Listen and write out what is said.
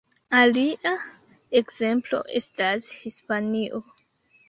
Alia ekzemplo estas Hispanio.